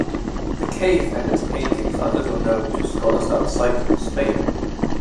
The cave and its paintings are little known to scholars outside Spain.